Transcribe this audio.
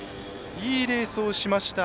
いいレースをしました。